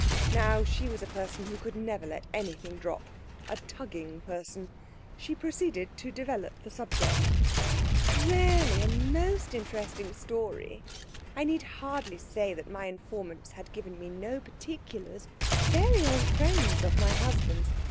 Now, she was a person who could never let anything drop a tugging person. She proceeded to develop the subject. "Really a most interesting story! I need hardly say that my informants had given me no particulars. Very old friends of my husband's.